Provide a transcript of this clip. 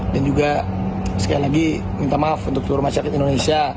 dan juga sekali lagi minta maaf untuk seluruh masyarakat indonesia